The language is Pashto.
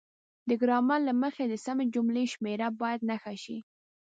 د ګرامر له مخې د سمې جملې شمیره باید نښه شي.